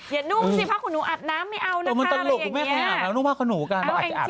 อย่านุ่งสิผ้าขุนหนูอาบน้ำไม่เอาน่ะค่ะ